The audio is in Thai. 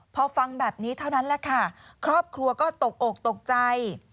พอฟังแบบนี้เท่านั้นแหละค่ะครอบครัวก็ตกอกตกใจ